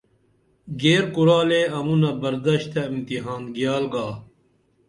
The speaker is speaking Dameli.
گیر کُرالے امُنہ بردش تہ امتحان گیال گا